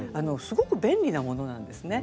ごく便利なものなんですね。